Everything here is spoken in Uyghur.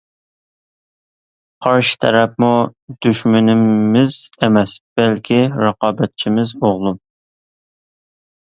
قارشى تەرەپمۇ دۈشمىنىمىز ئەمەس، بەلكى رىقابەتچىمىز ئوغلۇم.